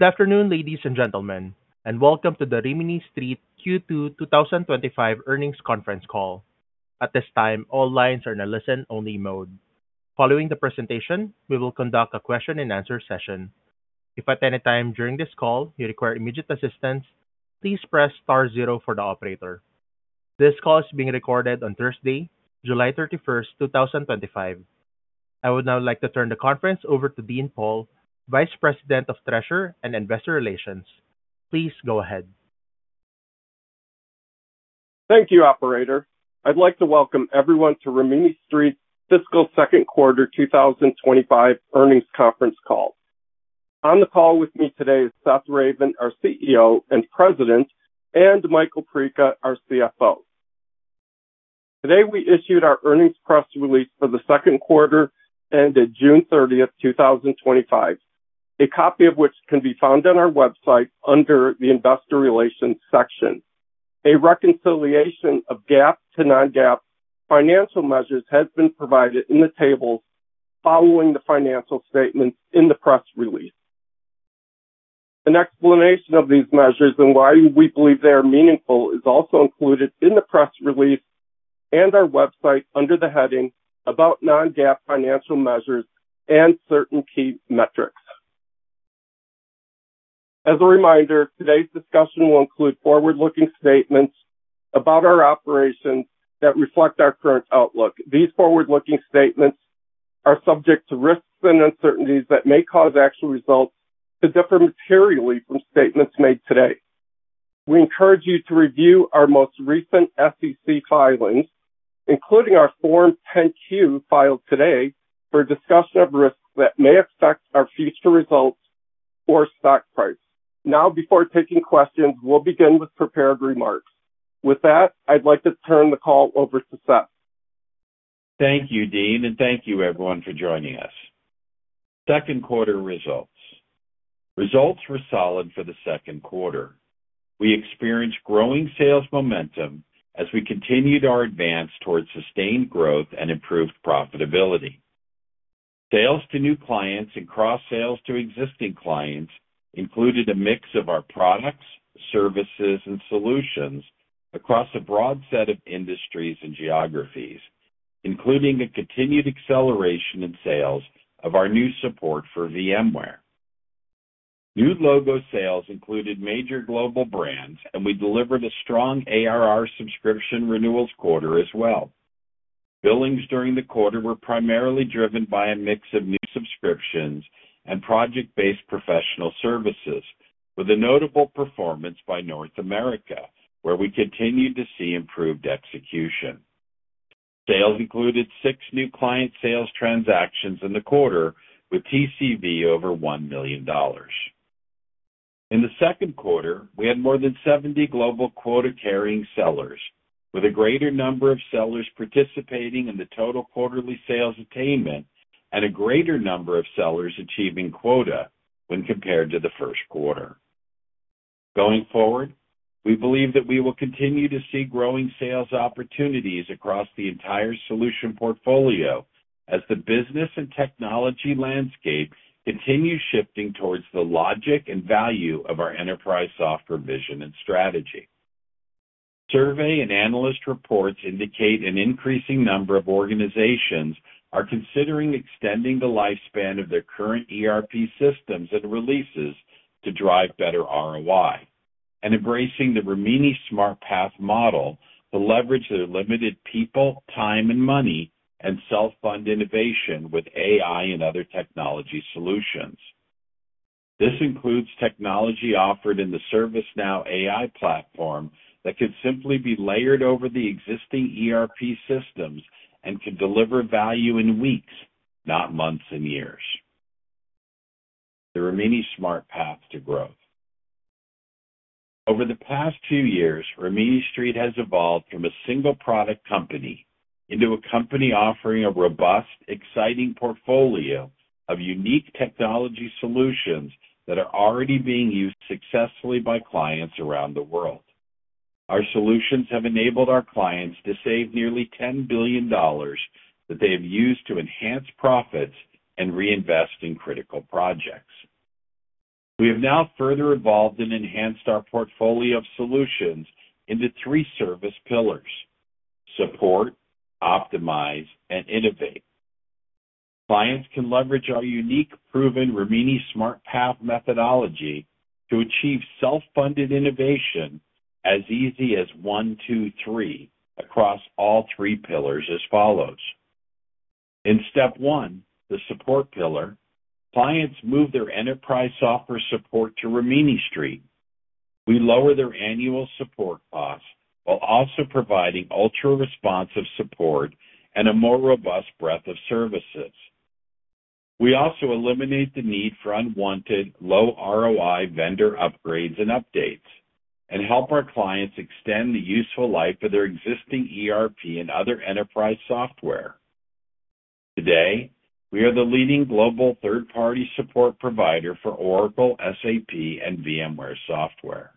Good afternoon, ladies and gentlemen, and welcome to the Rimini Street Q2 2025 earnings conference call. At this time, all lines are in a listen-only mode. Following the presentation, we will conduct a question-and-answer session. If at any time during this call you require immediate assistance, please press star zero for the operator. This call is being recorded on Thursday, July 31, 2025. I would now like to turn the conference over to Dean Pohl, Vice President of Treasurer and Investor Relations. Please go ahead. Thank you, Operator. I'd like to welcome everyone to Rimini Street's fiscal second quarter 2025 earnings conference call. On the call with me today is Seth Ravin, our CEO and President, and Michael Perica, our CFO. Today we issued our earnings press release for the second quarter ended June 30, 2025, a copy of which can be found on our website under the Investor Relations section. A reconciliation of GAAP to non-GAAP financial measures has been provided in the table following the financial statements in the press release. An explanation of these measures and why we believe they are meaningful is also included in the press release and our website under the heading "About Non-GAAP Financial Measures and Certain Key Metrics." As a reminder, today's discussion will include forward-looking statements about our operations that reflect our current outlook. These forward-looking statements are subject to risks and uncertainties that may cause actual results to differ materially from statements made today. We encourage you to review our most recent SEC filings, including our Form 10-Q filed today, for a discussion of risks that may affect our future results or stock price. Now, before taking questions, we'll begin with prepared remarks. With that, I'd like to turn the call over to Seth. Thank you, Dean, and thank you everyone for joining us. Second quarter results. Results were solid for the second quarter. We experienced growing sales momentum as we continued our advance towards sustained growth and improved profitability. Sales to new clients and cross-sales to existing clients included a mix of our products, services, and solutions across a broad set of industries and geographies, including a continued acceleration in sales of our new support for VMware. New logo sales included major global brands, and we delivered a strong ARR subscription renewals quarter as well. Billings during the quarter were primarily driven by a mix of new subscriptions and project-based professional services, with a notable performance by North America, where we continued to see improved execution. Sales included six new client sales transactions in the quarter, with TCV over $1 million. In the second quarter, we had more than 70 global quota-carrying sellers, with a greater number of sellers participating in the total quarterly sales attainment and a greater number of sellers achieving quota when compared to the first quarter. Going forward, we believe that we will continue to see growing sales opportunities across the entire solution portfolio as the business and technology landscape continues shifting towards the logic and value of our enterprise software vision and strategy. Survey and analyst reports indicate an increasing number of organizations are considering extending the lifespan of their current ERP systems and releases to drive better ROI and embracing the Rimini Smart Path model to leverage their limited people, time, and money and self-fund innovation with AI and other technology solutions. This includes technology offered in the ServiceNow AI platform that can simply be layered over the existing ERP systems and can deliver value in weeks, not months and years. The Rimini Smart Path to growth. Over the past few years, Rimini Street has evolved from a single product company into a company offering a robust, exciting portfolio of unique technology solutions that are already being used successfully by clients around the world. Our solutions have enabled our clients to save nearly $10 billion that they have used to enhance profits and reinvest in critical projects. We have now further evolved and enhanced our portfolio of solutions into three service pillars: support, optimize, and innovate. Clients can leverage our unique, proven Rimini Smart Path methodology to achieve self-funded innovation as easy as 1, 2, 3 across all three pillars as follows. In step one, the support pillar, clients move their enterprise software support to Rimini Street. We lower their annual support costs while also providing ultra-responsive support and a more robust breadth of services. We also eliminate the need for unwanted, low ROI vendor upgrades and updates and help our clients extend the useful life of their existing ERP and other enterprise software. Today, we are the leading global third-party support provider for Oracle, SAP, and VMware software.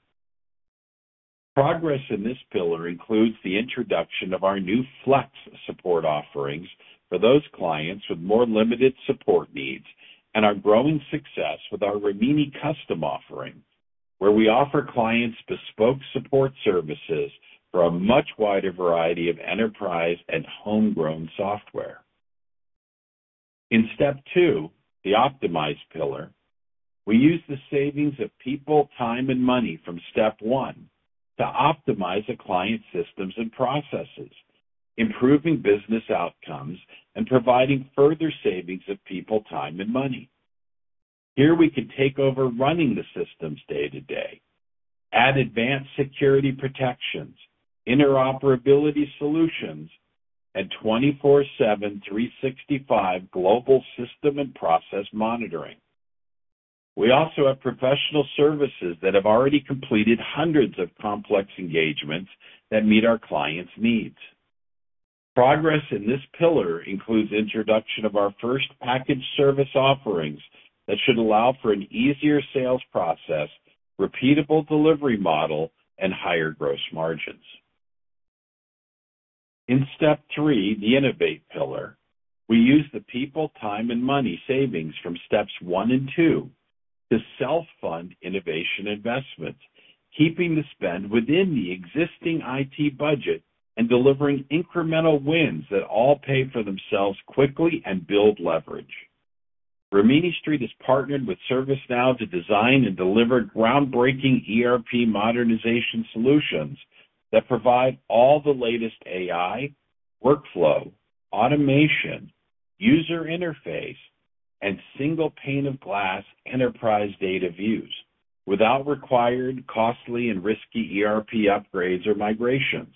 Progress in this pillar includes the introduction of our new Flex support offerings for those clients with more limited support needs and our growing success with our Rimini custom offering, where we offer clients bespoke support services for a much wider variety of enterprise and homegrown software. In step two, the optimized pillar, we use the savings of people, time, and money from step one to optimize a client's systems and processes, improving business outcomes, and providing further savings of people, time, and money. Here, we can take over running the systems day to day, add advanced security protections, interoperability solutions, and 24/7/365 global system and process monitoring. We also have professional services that have already completed hundreds of complex engagements that meet our clients' needs. Progress in this pillar includes the introduction of our first packaged service offerings that should allow for an easier sales process, repeatable delivery model, and higher gross margins. In step three, the innovate pillar, we use the people, time, and money savings from steps one and two to self-fund innovation investments, keeping the spend within the existing IT budget and delivering incremental wins that all pay for themselves quickly and build leverage. Rimini Street is partnered with ServiceNow to design and deliver groundbreaking ERP modernization solutions that provide all the latest AI, workflow, automation, user interface, and single pane of glass enterprise data views without required costly and risky ERP upgrades or migrations.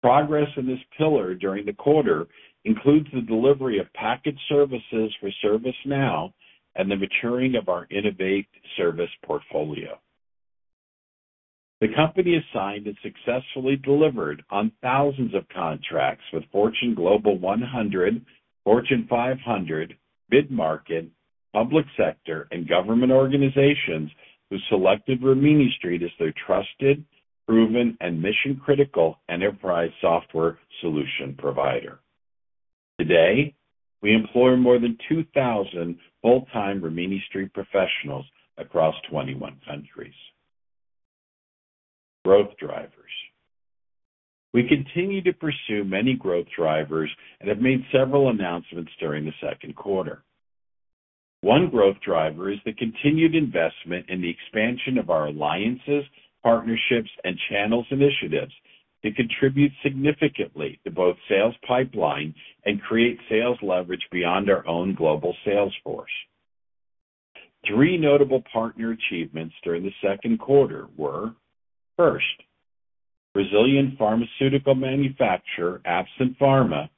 Progress in this pillar during the quarter includes the delivery of packaged services for ServiceNow and the maturing of our innovate service portfolio. The company has signed and successfully delivered on thousands of contracts with Fortune Global 100, Fortune 500, mid-market, public sector, and government organizations who selected Rimini Street as their trusted, proven, and mission-critical enterprise software solution provider. Today, we employ more than 2,000 full-time Rimini Street professionals across 21 countries. Growth drivers. We continue to pursue many growth drivers and have made several announcements during the second quarter. One growth driver is the continued investment in the expansion of our alliances, partnerships, and channels initiatives to contribute significantly to both sales pipelines and create sales leverage beyond our own global sales force. Three notable partner achievements during the second quarter were: first, Brazilian pharmaceutical manufacturer Aspen Pharma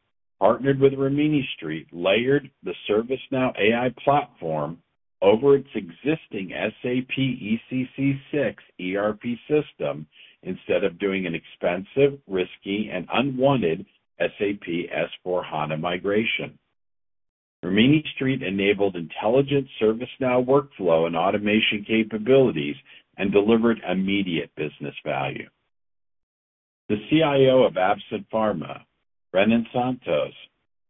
partnered with Rimini Street, layered the ServiceNow AI platform over its existing SAP ECC 6 ERP system instead of doing an expensive, risky, and unwanted SAP S/4HANA migration. Rimini Street enabled intelligent ServiceNow workflow and automation capabilities and delivered immediate business value. The CIO of Aspen Pharma, Brennan Santos,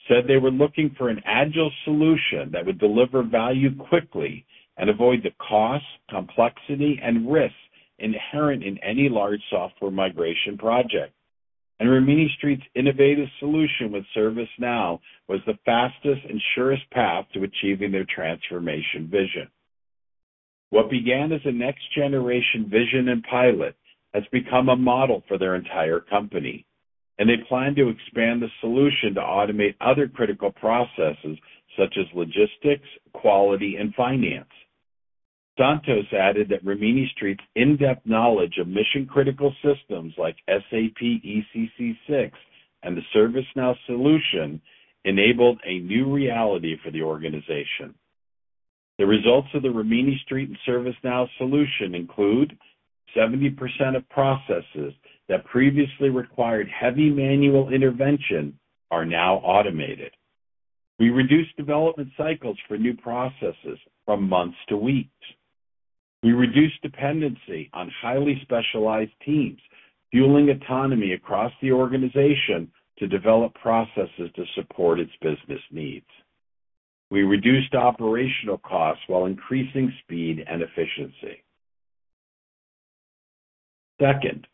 said they were looking for an agile solution that would deliver value quickly and avoid the cost, complexity, and risks inherent in any large software migration project. Rimini Street's innovative solution with ServiceNow was the fastest and surest path to achieving their transformation vision. What began as a next-generation vision and pilot has become a model for their entire company, and they plan to expand the solution to automate other critical processes such as logistics, quality, and finance. Santos added that Rimini Street's in-depth knowledge of mission-critical systems like SAP ECC 6 and the ServiceNow solution enabled a new reality for the organization. The results of the Rimini Street and ServiceNow solution include 70% of processes that previously required heavy manual intervention are now automated. We reduce development cycles for new processes from months to weeks. We reduce dependency on highly specialized teams, fueling autonomy across the organization to develop processes to support its business needs. We reduced operational costs while increasing speed and efficiency. Second,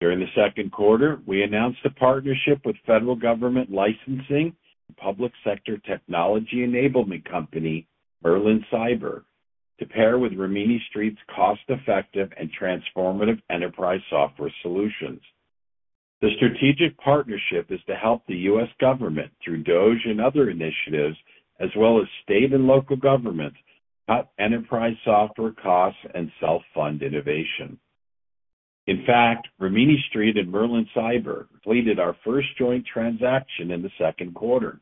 during the second quarter, we announced a partnership with federal government licensing public sector technology enablement company, Merlin Cyber, to pair with Rimini Street's cost-effective and transformative enterprise software solutions. The strategic partnership is to help the U.S. government through DOGE and other initiatives, as well as state and local governments, cut enterprise software costs and self-fund innovation. In fact, Rimini Street and Merlin Cyber completed our first joint transaction in the second quarter,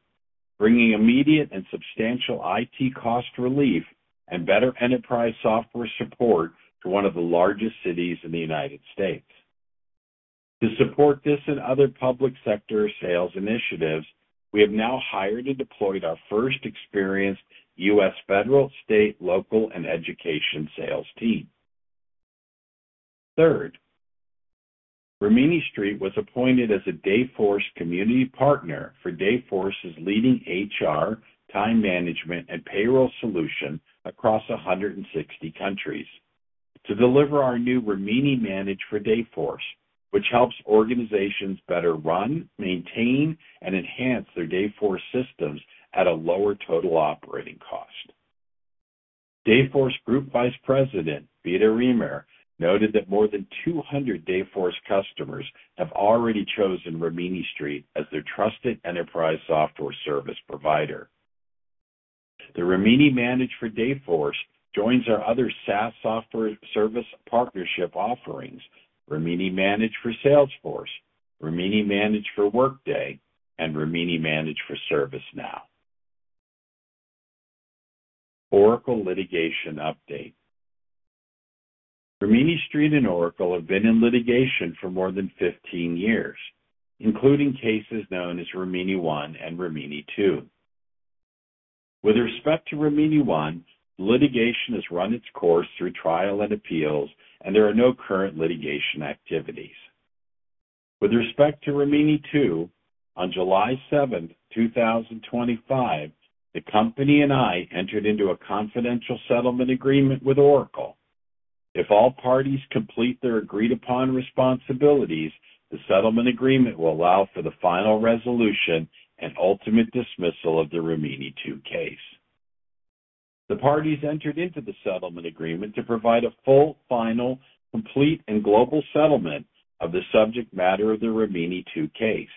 bringing immediate and substantial IT cost relief and better enterprise software support to one of the largest cities in the United States. To support this and other public sector sales initiatives, we have now hired and deployed our first experienced U.S. federal, state, local, and education sales team. Third, Rimini Street was appointed as a Dayforce community partner for Dayforce's leading HR, time management, and payroll solution across 160 countries to deliver our new Rimini Manage for Dayforce, which helps organizations better run, maintain, and enhance their Dayforce systems at a lower total operating cost. Dayforce Group Vice President, Beata Reimer, noted that more than 200 Dayforce customers have already chosen Rimini Street as their trusted enterprise software service provider. The Rimini Manage for Dayforce joins our other SaaS software service partnership offerings: Rimini Manage for Salesforce, Rimini Manage for Workday, and Rimini Manage for ServiceNow. Oracle litigation update. Rimini Street and Oracle have been in litigation for more than 15 years, including cases known as Rimini ONE and Rimini TWO. With respect to Rimini ONE, litigation has run its course through trial and appeals, and there are no current litigation activities. With respect to Rimini TWO, on July 7, 2025, the company and I entered into a confidential settlement agreement with Oracle. If all parties complete their agreed-upon responsibilities, the settlement agreement will allow for the final resolution and ultimate dismissal of the Rimini TWO case. The parties entered into the settlement agreement to provide a full, final, complete, and global settlement of the subject matter of the Rimini TWO case,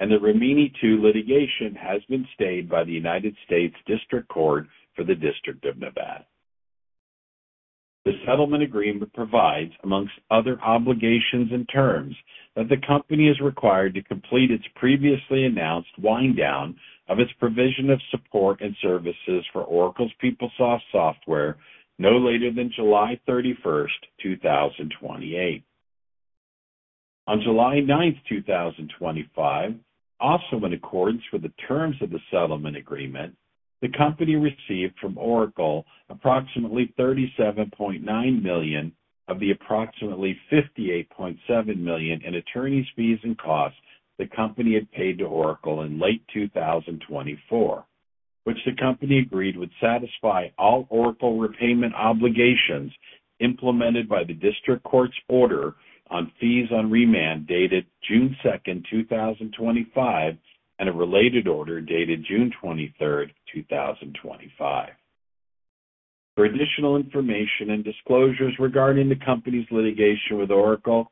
and the Rimini Two litigation has been stayed by the United States District Court for the District of Nevada. The settlement agreement provides, amongst other obligations and terms, that the company is required to complete its previously announced wind-down of its provision of support and services for Oracle's PeopleSoft software no later than July 31, 2028. On July 9, 2025, also in accordance with the terms of the settlement agreement, the company received from Oracle approximately $37.9 million of the approximately $58.7 million in attorney's fees and costs the company had paid to Oracle in late 2024, which the company agreed would satisfy all Oracle repayment obligations implemented by the District Court's order on fees on remand dated June 2, 2025, and a related order dated June 23, 2025. For additional information and disclosures regarding the company's litigation with Oracle,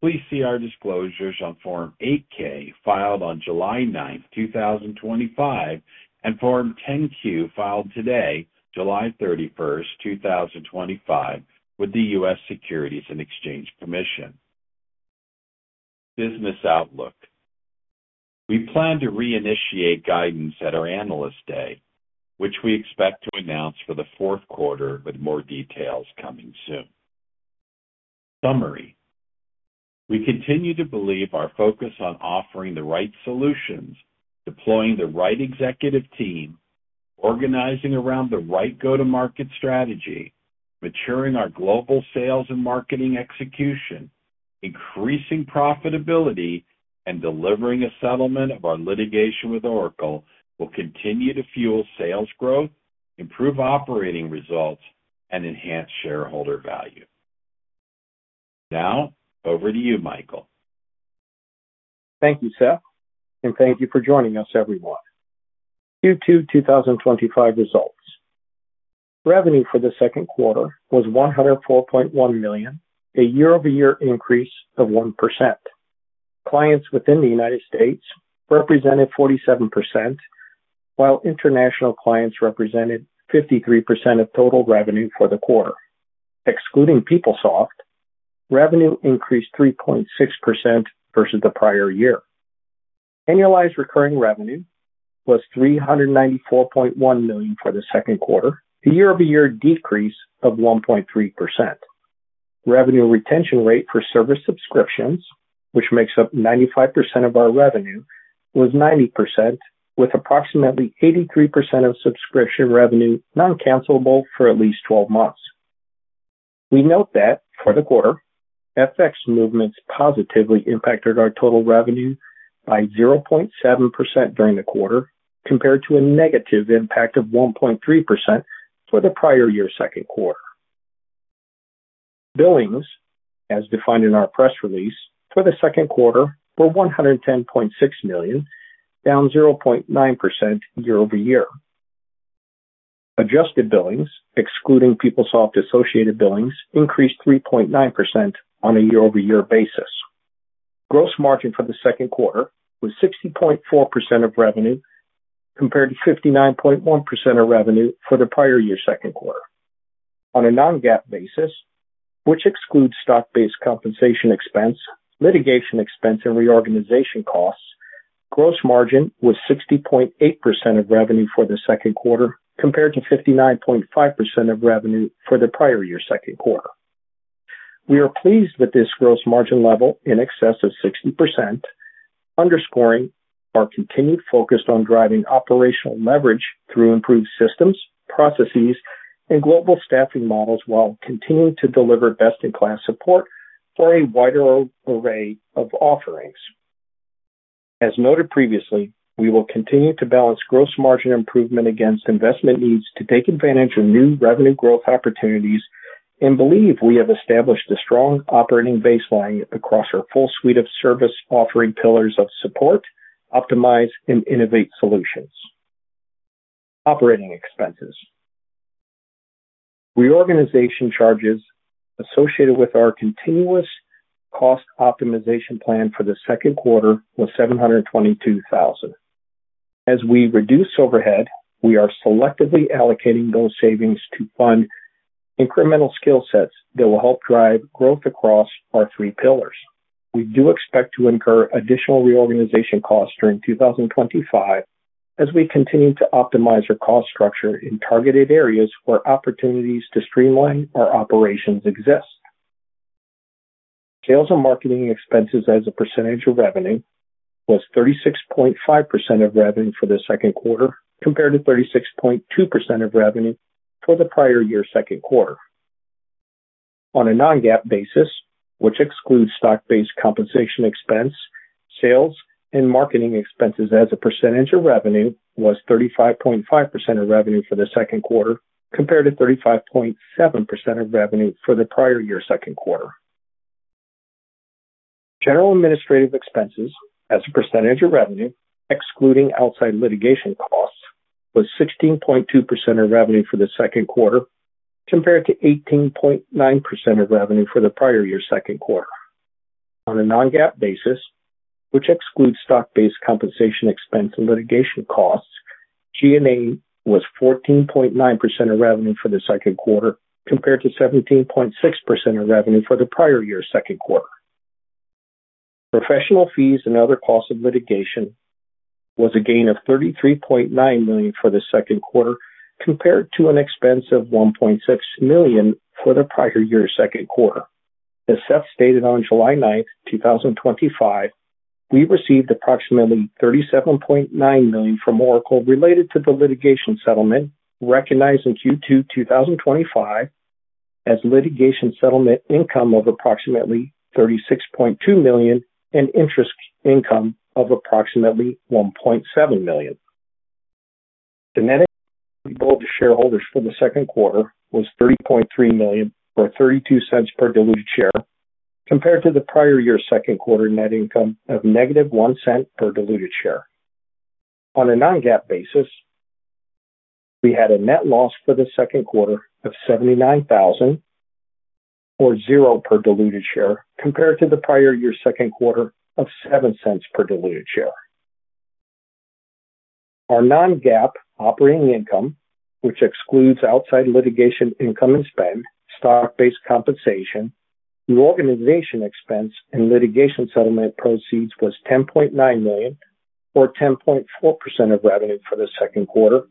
please see our disclosures on Form 8-K filed on July 9, 2025, and Form 10-Q filed today, July 31, 2025, with the U.S. Securities and Exchange Commission. Business outlook. We plan to reinitiate guidance at our analyst day, which we expect to announce for the fourth quarter, with more details coming soon. Summary. We continue to believe our focus on offering the right solutions, deploying the right executive team, organizing around the right go-to-market strategy, maturing our global sales and marketing execution, increasing profitability, and delivering a settlement of our litigation with Oracle will continue to fuel sales growth, improve operating results, and enhance shareholder value. Now, over to you, Michael. Thank you, Seth, and thank you for joining us, everyone. Q2 2025 results. Revenue for the second quarter was $104.1 million, a year-over-year increase of 1%. Clients within the United States represented 47%, while international clients represented 53% of total revenue for the quarter. Excluding PeopleSoft, revenue increased 3.6% versus the prior year. Annualized recurring revenue was $394.1 million for the second quarter, a year-over-year decrease of 1.3%. Revenue retention rate for service subscriptions, which makes up 95% of our revenue, was 90%, with approximately 83% of subscription revenue non-cancellable for at least 12 months. We note that for the quarter, FX movements positively impacted our total revenue by 0.7% during the quarter, compared to a negative impact of 1.3% for the prior year's second quarter. Billings, as defined in our press release, for the second quarter were $110.6 million, down 0.9% year-over-year. Adjusted billings, excluding PeopleSoft-associated billings, increased 3.9% on a year-over-year basis. Gross margin for the second quarter was 60.4% of revenue, compared to 59.1% of revenue for the prior year's second quarter. On a non-GAAP basis, which excludes stock-based compensation expense, litigation expense, and reorganization costs, gross margin was 60.8% of revenue for the second quarter, compared to 59.5% of revenue for the prior year's second quarter. We are pleased with this gross margin level in excess of 60%, underscoring our continued focus on driving operational leverage through improved systems, processes, and global staffing models while continuing to deliver best-in-class support for a wider array of offerings. As noted previously, we will continue to balance gross margin improvement against investment needs to take advantage of new revenue growth opportunities and believe we have established a strong operating baseline across our full suite of service offering pillars of support, optimize, and innovate solutions. Operating expenses. Reorganization charges associated with our continuous cost optimization plan for the second quarter were $722,000. As we reduce overhead, we are selectively allocating those savings to fund incremental skill sets that will help drive growth across our three pillars. We do expect to incur additional reorganization costs during 2025 as we continue to optimize our cost structure in targeted areas where opportunities to streamline our operations exist. Sales and marketing expenses as a percentage of revenue was 36.5% of revenue for the second quarter, compared to 36.2% of revenue for the prior year's second quarter. On a non-GAAP basis, which excludes stock-based compensation expense, sales and marketing expenses as a percentage of revenue was 35.5% of revenue for the second quarter, compared to 35.7% of revenue for the prior year's second quarter. General administrative expenses as a percentage of revenue, excluding outside litigation costs, was 16.2% of revenue for the second quarter, compared to 18.9% of revenue for the prior year's second quarter. On a non-GAAP basis, which excludes stock-based compensation expense and litigation costs, G&A was 14.9% of revenue for the second quarter, compared to 17.6% of revenue for the prior year's second quarter. Professional fees and other costs of litigation was a gain of $33.9 million for the second quarter, compared to an expense of $1.6 million for the prior year's second quarter. As Seth stated on July 9, 2025, we received approximately $37.9 million from Oracle related to the litigation settlement, recognized in Q2 2025 as litigation settlement income of approximately $36.2 million and interest income of approximately $1.7 million. The net income of both the shareholders for the second quarter was $30.3 million or $0.32 per diluted share, compared to the prior year's second quarter net income of negative $0.01 per diluted share. On a non-GAAP basis, we had a net loss for the second quarter of $79,000 or $0.00 per diluted share, compared to the prior year's second quarter of $0.07 per diluted share. Our non-GAAP operating income, which excludes outside litigation income and spend, stock-based compensation, reorganization expense, and litigation settlement proceeds, was $10.9 million or 10.4% of revenue for the second quarter,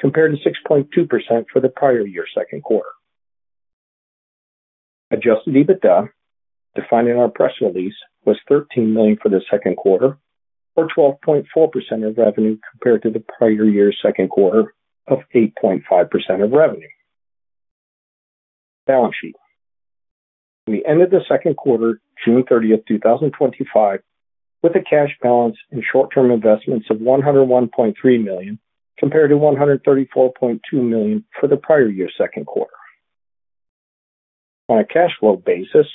compared to 6.2% for the prior year's second quarter. Adjusted EBITDA, defined in our press release, was $13 million for the second quarter or 12.4% of revenue, compared to the prior year's second quarter of 8.5% of revenue. Balance sheet. We ended the second quarter, June 30, 2025, with a cash balance in short-term investments of $101.3 million, compared to $134.2 million for the prior year's second quarter. On a cash flow basis,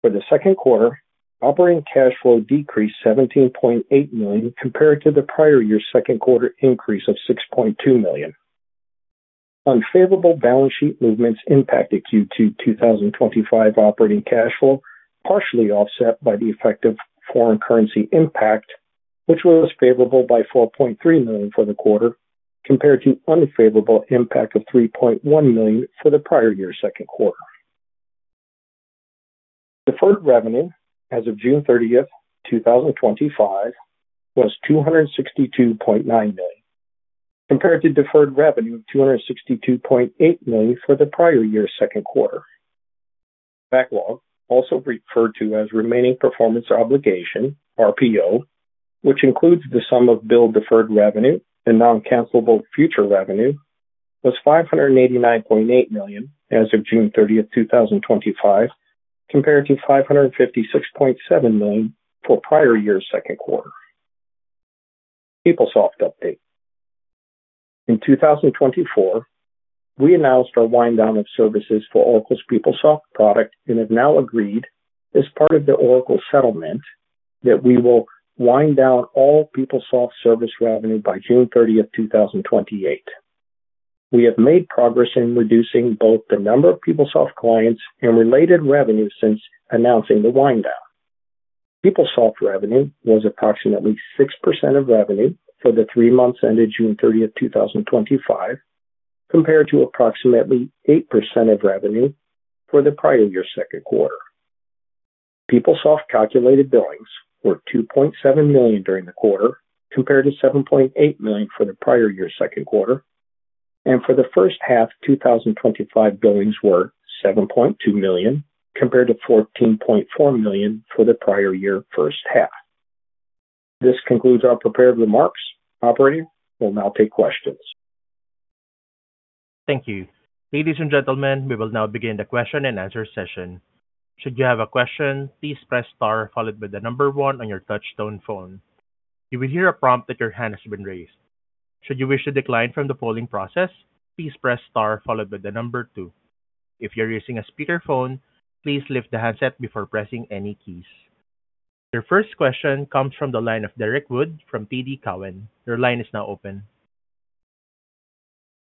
for the second quarter, operating cash flow decreased $17.8 million, compared to the prior year's second quarter increase of $6.2 million. Unfavorable balance sheet movements impacted Q2 2025 operating cash flow, partially offset by the effective foreign currency impact, which was favorable by $4.3 million for the quarter, compared to unfavorable impact of $3.1 million for the prior year's second quarter. Deferred revenue as of June 30, 2025, was $262.9 million, compared to deferred revenue of $262.8 million for the prior year's second quarter. Backlog, also referred to as remaining performance obligation, RPO, which includes the sum of billed deferred revenue and non-cancellable future revenue, was $589.8 million as of June 30, 2025, compared to $556.7 million for the prior year's second quarter. PeopleSoft update. In 2024, we announced our wind-down of services for Oracle's PeopleSoft product and have now agreed, as part of the Oracle settlement, that we will wind down all PeopleSoft service revenue by June 30, 2028. We have made progress in reducing both the number of PeopleSoft clients and related revenue since announcing the wind-down. PeopleSoft revenue was approximately 6% of revenue for the three months ended June 30, 2025, compared to approximately 8% of revenue for the prior year's second quarter. PeopleSoft calculated billings were $2.7 million during the quarter, compared to $7.8 million for the prior year's second quarter, and for the first half, 2025 billings were $7.2 million, compared to $14.4 million for the prior year first half. This concludes our prepared remarks. Operator, we'll now take questions. Thank you. Ladies and gentlemen, we will now begin the question and answer session. Should you have a question, please press star followed by the number one on your touch-tone phone. You will hear a prompt that your hand has been raised. Should you wish to decline from the polling process, please press star followed by the number two. If you're using a speakerphone, please lift the headset before pressing any keys. Your first question comes from the line of Derrick Wood from TD Cowen. Your line is now open.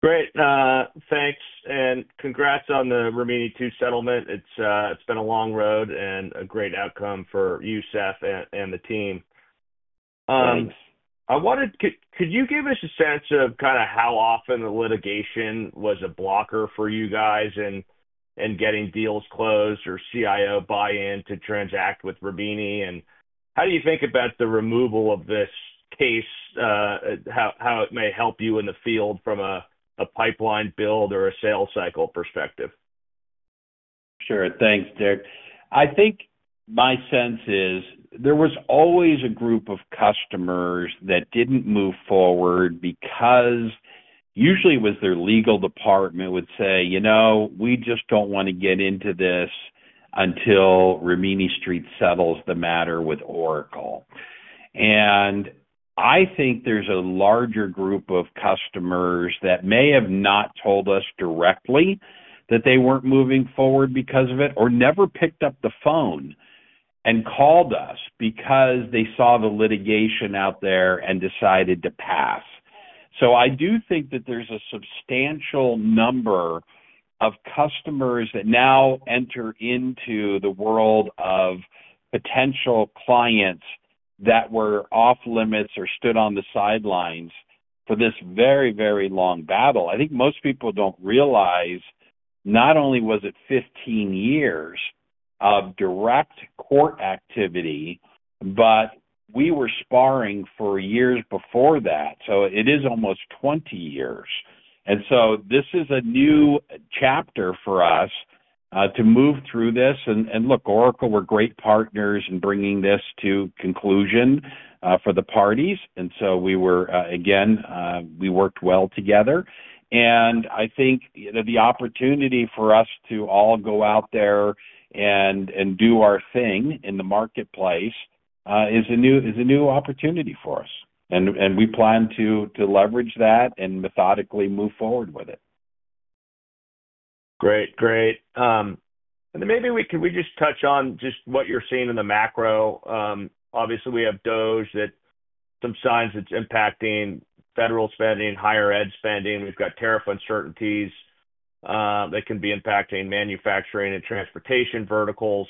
Great. Thanks and congrats on the Rimini TWO settlement. It's been a long road and a great outcome for you, Seth, and the team. Could you give us a sense of how often the litigation was a blocker for you guys in getting deals closed or CIO buy-in to transact with Rimini? How do you think about the removal of this case and how it may help you in the field from a pipeline build or a sales cycle perspective? Sure. Thanks, Derrick. I think my sense is there was always a group of customers that didn't move forward because usually it was their legal department would say, you know, we just don't want to get into this until Rimini Street settles the matter with Oracle. I think there's a larger group of customers that may have not told us directly that they weren't moving forward because of it or never picked up the phone and called us because they saw the litigation out there and decided to pass. I do think that there's a substantial number of customers that now enter into the world of potential clients that were off limits or stood on the sidelines for this very, very long battle. I think most people don't realize not only was it 15 years of direct court activity, but we were sparring for years before that. It is almost 20 years. This is a new chapter for us, to move through this. Oracle were great partners in bringing this to conclusion for the parties. We worked well together. I think the opportunity for us to all go out there and do our thing in the marketplace is a new opportunity for us. We plan to leverage that and methodically move forward with it. Great, great. Maybe we could just touch on what you're seeing in the macro. Obviously, we have DOGE, that some signs it's impacting federal spending, higher ed spending. We've got tariff uncertainties, that can be impacting manufacturing and transportation verticals.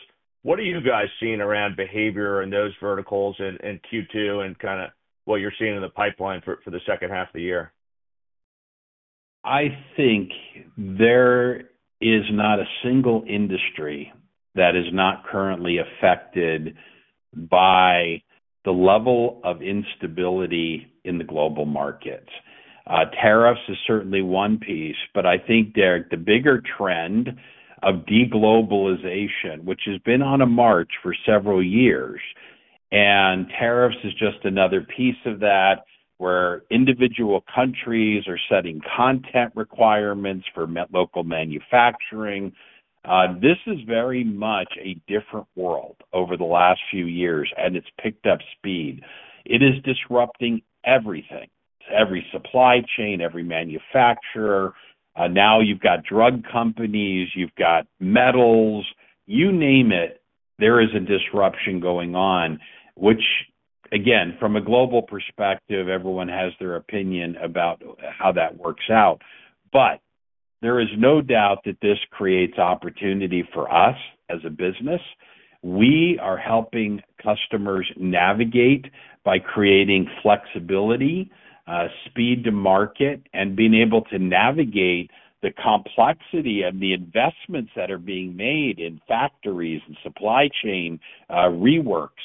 What are you guys seeing around behavior in those verticals in Q2 and what you're seeing in the pipeline for the second half of the year? I think there is not a single industry that is not currently affected by the level of instability in the global markets. Tariffs is certainly one piece, but I think, Derek, the bigger trend of deglobalization, which has been on a march for several years, and tariffs is just another piece of that where individual countries are setting content requirements for local manufacturing. This is very much a different world over the last few years, and it's picked up speed. It is disrupting everything, every supply chain, every manufacturer. Now you've got drug companies, you've got metals, you name it, there is a disruption going on, which, again, from a global perspective, everyone has their opinion about how that works out. There is no doubt that this creates opportunity for us as a business. We are helping customers navigate by creating flexibility, speed to market, and being able to navigate the complexity of the investments that are being made in factories and supply chain reworks.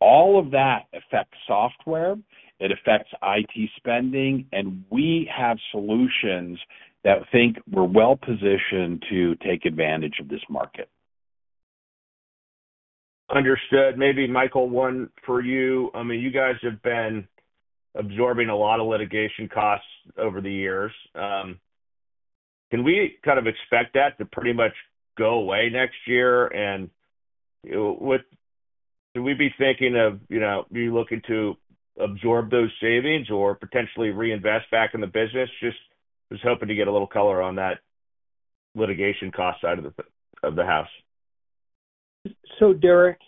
All of that affects software, it affects IT spending, and we have solutions that think we're well-positioned to take advantage of this market. Understood. Maybe Michael, one for you. I mean, you guys have been absorbing a lot of litigation costs over the years. Can we kind of expect that to pretty much go away next year? What do we be thinking of, you know, be looking to absorb those savings or potentially reinvest back in the business? Just was hoping to get a little color on that litigation cost side of the house. Derek,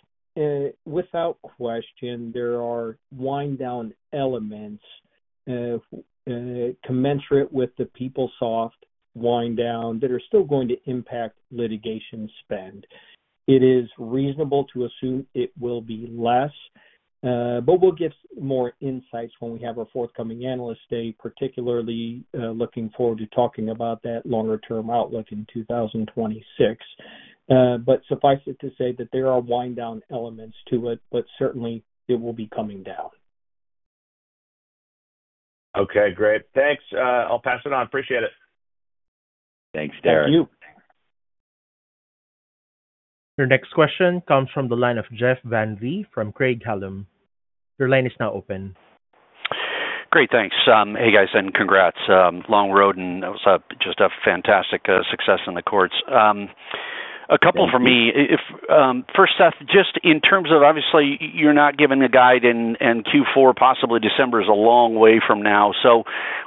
without question, there are wind-down elements, commensurate with the PeopleSoft wind-down, that are still going to impact litigation spend. It is reasonable to assume it will be less, but we'll give more insights when we have our forthcoming analyst day, particularly looking forward to talking about that longer-term outlook in 2026. Suffice it to say that there are wind-down elements to it, but certainly, it will be coming down. Okay, great. Thanks. I'll pass it on. Appreciate it. Thanks, Derek. Thank you. Your next question comes from the line of Jeff Van Rhee from Craig-Hallum. Your line is now open. Great, thanks. Hey, guys, and congrats. Long road and it was just a fantastic success in the courts. A couple for me. First, Seth, just in terms of obviously, you're not giving a guide in Q4, possibly December is a long way from now.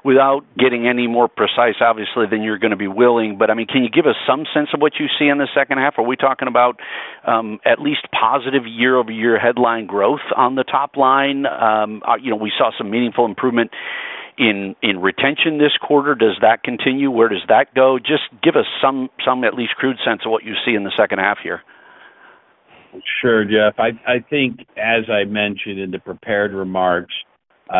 Without getting any more precise, obviously, than you're going to be willing, can you give us some sense of what you see in the second half? Are we talking about at least positive year-over-year headline growth on the top line? We saw some meaningful improvement in retention this quarter. Does that continue? Where does that go? Just give us some, at least crude sense of what you see in the second half here. Sure, Jeff. I think, as I mentioned in the prepared remarks,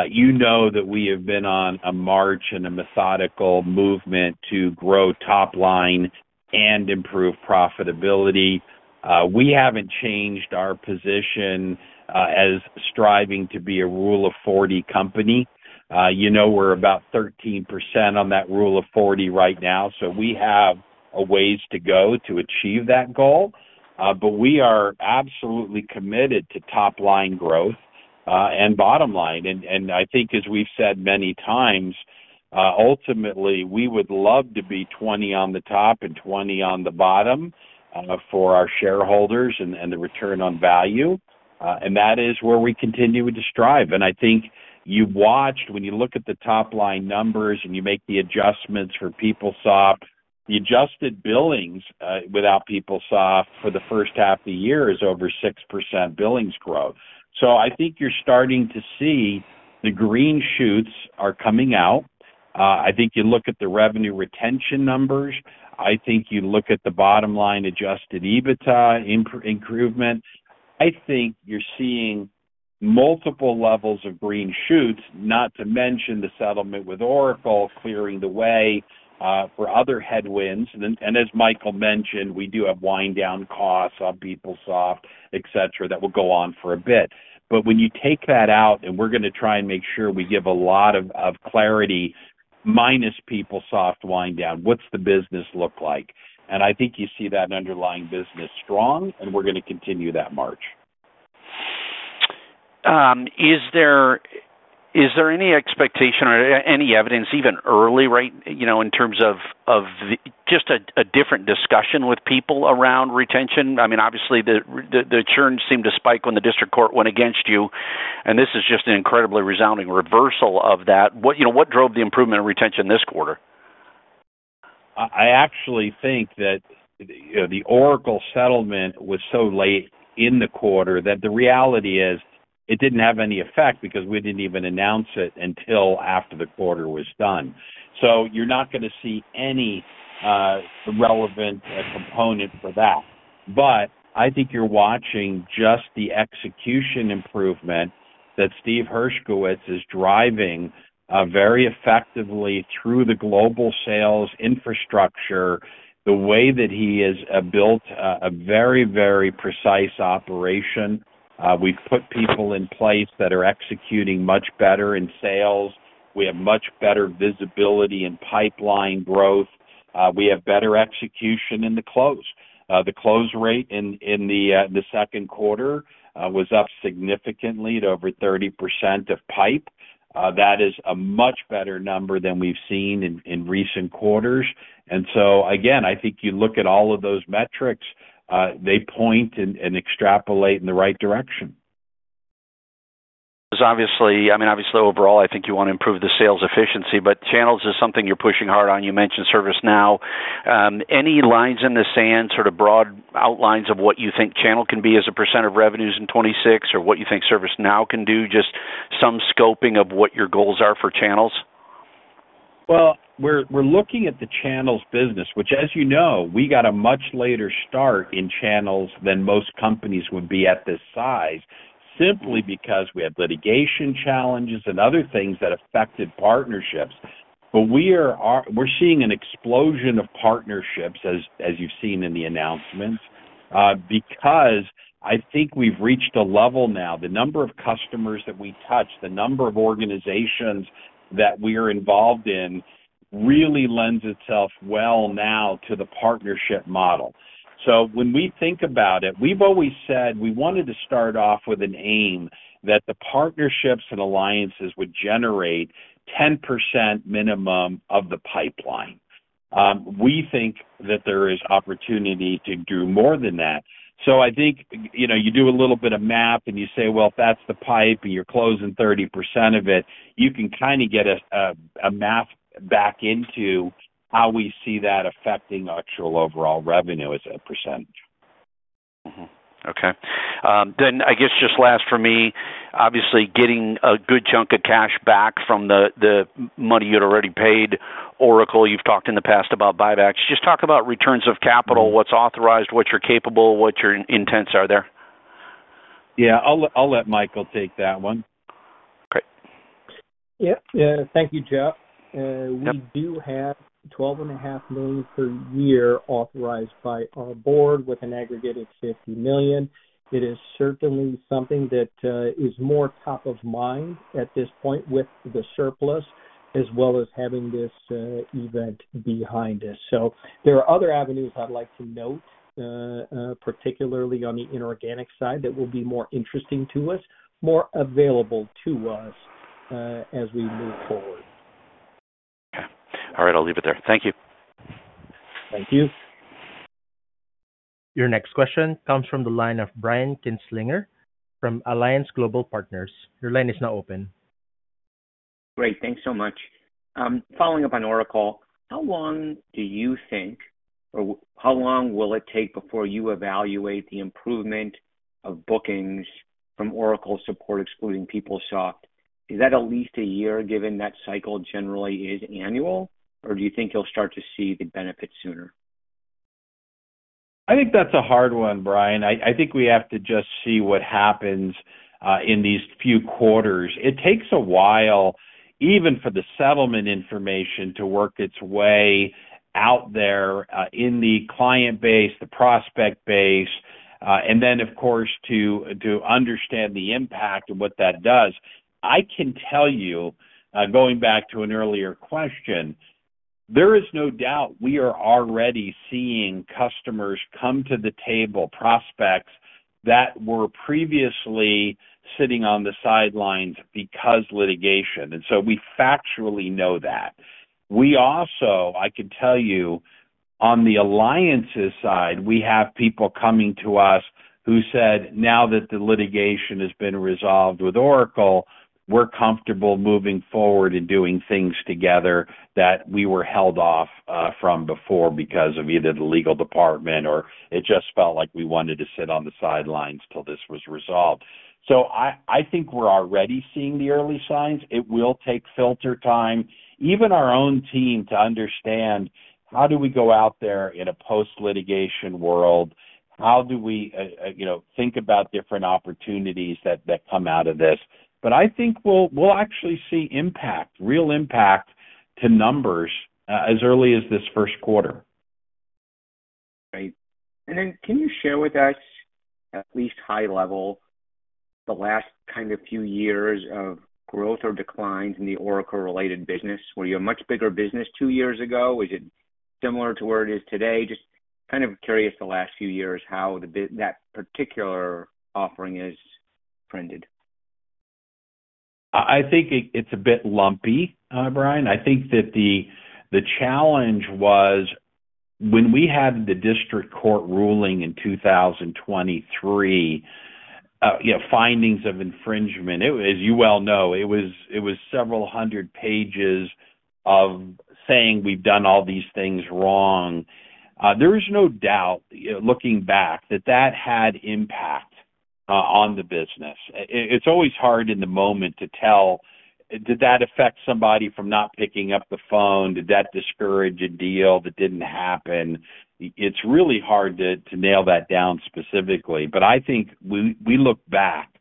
you know that we have been on a march and a methodical movement to grow top line and improve profitability. We haven't changed our position as striving to be a Rule of 40 company. You know, we're about 13% on that Rule of 40 right now. We have a ways to go to achieve that goal. We are absolutely committed to top line growth and bottom line. I think, as we've said many times, ultimately, we would love to be 20 on the top and 20 on the bottom for our shareholders and the return on value. That is where we continue to strive. I think you watched when you look at the top line numbers and you make the adjustments for PeopleSoft, the adjusted billings without PeopleSoft for the first half of the year is over 6% billings growth. I think you're starting to see the green shoots are coming out. I think you look at the revenue retention numbers. I think you look at the bottom line adjusted EBITDA improvement. I think you're seeing multiple levels of green shoots, not to mention the settlement with Oracle clearing the way for other headwinds. As Michael mentioned, we do have wind-down costs on PeopleSoft, et cetera, that will go on for a bit. When you take that out, and we're going to try and make sure we give a lot of clarity minus PeopleSoft wind-down, what's the business look like? I think you see that underlying business strong, and we're going to continue that march. Is there any expectation or any evidence even early, right, in terms of just a different discussion with people around retention? I mean, obviously, the churn seemed to spike when the district court went against you. This is just an incredibly resounding reversal of that. What drove the improvement in retention this quarter? I actually think that the Oracle settlement was so late in the quarter that the reality is it didn't have any effect because we didn't even announce it until after the quarter was done. You're not going to see any relevant component for that. I think you're watching just the execution improvement that Steve Hershkowitz is driving very effectively through the global sales infrastructure, the way that he has built a very, very precise operation. We've put people in place that are executing much better in sales. We have much better visibility in pipeline growth. We have better execution in the close. The close rate in the second quarter was up significantly to over 30% of pipe. That is a much better number than we've seen in recent quarters. I think you look at all of those metrics, they point and extrapolate in the right direction. Obviously, overall, I think you want to improve the sales efficiency, but channels is something you're pushing hard on. You mentioned ServiceNow. Any lines in the sand, sort of broad outlines of what you think channel can be as a % of revenues in 2026, or what you think ServiceNow can do, just some scoping of what your goals are for channels? We're looking at the channels business, which, as you know, we got a much later start in channels than most companies would be at this size, simply because we had litigation challenges and other things that affected partnerships. We're seeing an explosion of partnerships, as you've seen in the announcements, because I think we've reached a level now. The number of customers that we've touched, the number of organizations that we are involved in really lends itself well now to the partnership model. When we think about it, we've always said we wanted to start off with an aim that the partnerships and alliances would generate 10% minimum of the pipeline. We think that there is opportunity to do more than that. I think, you know, you do a little bit of math and you say, if that's the pipe and you're closing 30% of it, you can kind of get a math back into how we see that affecting actual overall revenue as a percentage. Okay. I guess just last for me, obviously getting a good chunk of cash back from the money you'd already paid Oracle. You've talked in the past about buybacks. Just talk about returns of capital, what's authorized, what you're capable, what your intents are there. Yeah, I'll let Michael take that one. Thank you, Jeff. We do have $12.5 million per year authorized by our board with an aggregate of $50 million. It is certainly something that is more top of mind at this point with the surplus, as well as having this event behind us. There are other avenues I'd like to note, particularly on the inorganic side that will be more interesting to us, more available to us as we move forward. Okay. All right, I'll leave it there. Thank you. Thank you. Your next question comes from the line of Brian Kinstlinger from Alliance Global Partners. Your line is now open. Great, thanks so much. Following up on Oracle, how long do you think, or how long will it take before you evaluate the improvement of bookings from Oracle support, excluding PeopleSoft? Is that at least a year given that cycle generally is annual, or do you think you'll start to see the benefits sooner? I think that's a hard one, Brian. I think we have to just see what happens in these few quarters. It takes a while, even for the settlement information to work its way out there in the client base, the prospect base, and then, of course, to understand the impact of what that does. I can tell you, going back to an earlier question, there is no doubt we are already seeing customers come to the table, prospects that were previously sitting on the sidelines because of litigation. We factually know that. I can tell you, on the alliances side, we have people coming to us who said now that the litigation has been resolved with Oracle, we're comfortable moving forward and doing things together that we were held off from before because of either the legal department or it just felt like we wanted to sit on the sidelines till this was resolved. I think we're already seeing the early signs. It will take filter time, even our own team to understand how do we go out there in a post-litigation world? How do we, you know, think about different opportunities that come out of this? I think we'll actually see impact, real impact to numbers as early as this first quarter. Right. Can you share with us at least high level the last few years of growth or declines in the Oracle-related business? Were you a much bigger business two years ago? Is it similar to where it is today? Just curious the last few years how that particular offering has trended. I think it's a bit lumpy, Brian. I think that the challenge was when we had the district court ruling in 2023, you know, findings of infringement. As you well know, it was several hundred pages of saying we've done all these things wrong. There is no doubt, looking back, that that had impact on the business. It's always hard in the moment to tell, did that affect somebody from not picking up the phone? Did that discourage a deal that didn't happen? It's really hard to nail that down specifically. I think we look back,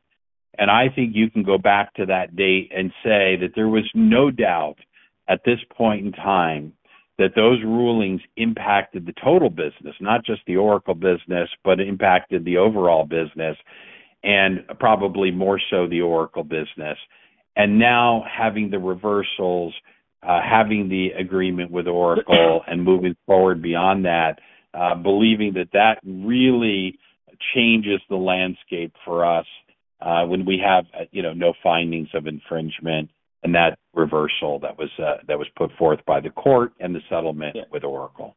and I think you can go back to that date and say that there was no doubt at this point in time that those rulings impacted the total business, not just the Oracle business, but impacted the overall business, and probably more so the Oracle business. Now having the reversals, having the agreement with Oracle, and moving forward beyond that, believing that that really changes the landscape for us, when we have, you know, no findings of infringement and that reversal that was put forth by the court and the settlement with Oracle.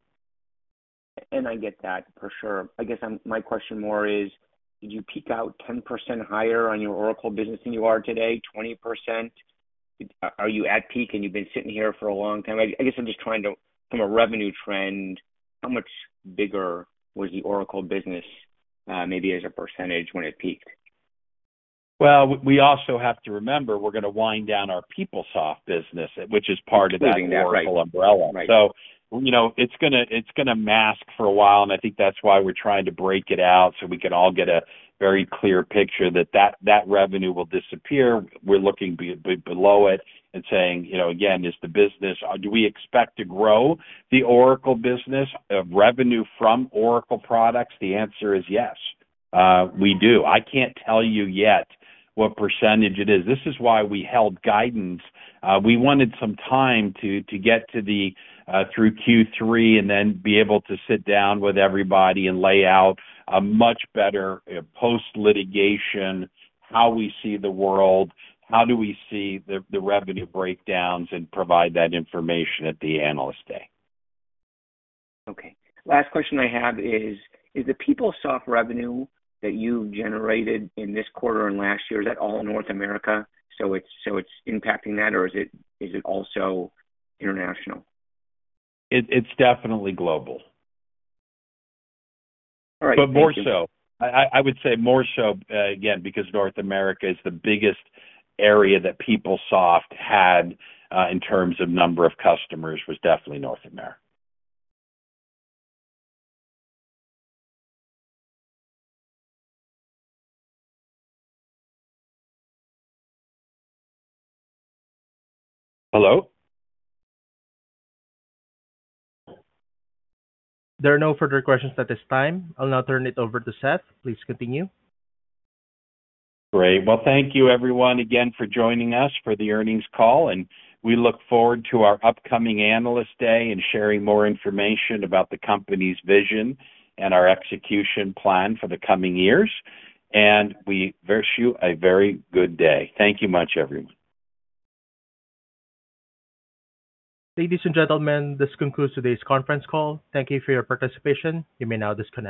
I get that for sure. I guess my question more is, did you peak out 10% higher on your Oracle business than you are today, 20%? Are you at peak and you've been sitting here for a long time? I'm just trying to, from a revenue trend, how much bigger was the Oracle business, maybe as a percentage when it peaked? We also have to remember we're going to wind down our PeopleSoft business, which is part of that Oracle umbrella. It's going to mask for a while, and I think that's why we're trying to break it out so we can all get a very clear picture that that revenue will disappear. We're looking below it and saying, you know, again, is the business, do we expect to grow the Oracle business of revenue from Oracle products? The answer is yes, we do. I can't tell you yet what percentage it is. This is why we held guidance. We wanted some time to get to the, through Q3 and then be able to sit down with everybody and lay out a much better post-litigation, how we see the world, how do we see the revenue breakdowns and provide that information at the Analyst Day. Okay. Last question I have is, is the PeopleSoft revenue that you generated in this quarter and last year, is that all in North America? Is it impacting that, or is it also international? It's definitely global. I would say more so, again, because North America is the biggest area that PeopleSoft had in terms of number of customers, it was definitely North America.Hello? There are no further questions at this time. I'll now turn it over to Seth. Please continue. Thank you, everyone, again for joining us for the earnings call. We look forward to our upcoming analyst day and sharing more information about the company's vision and our execution plan for the coming years. We wish you a very good day. Thank you much, everyone. Ladies and gentlemen, this concludes today's conference call. Thank you for your participation. You may now disconnect.